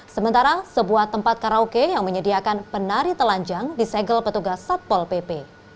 sementara sebuah tempat karaoke yang menyediakan penari telanjang disegel petugas satpol pp